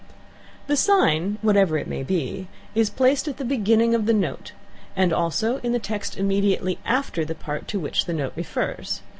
The sign, whatever it may be, is placed at the beginning of the note, and also in the text immediately after the part to which the note refers.